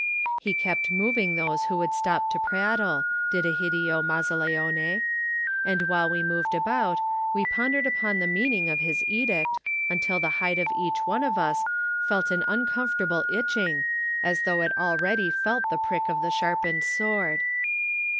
He kept moving those who would stop to prattle, did Egidio Mazzaleone; and while we moved about we pondered upon the meaning of his edict imtil the hide of each one of us felt an un comfortable itching, as though it already felt the prick of the sharpened sword.